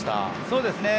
そうですね。